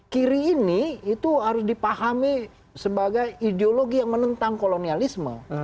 kiri ini itu harus dipahami sebagai ideologi yang menentang kolonialisme